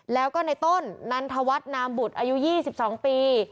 แล้วก็ในต้นนันทวัฒนามบุตรอายุ๒๒ปี